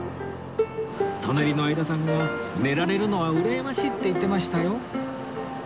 隣の相田さんが「寝られるのはうらやましい」って言ってましたよ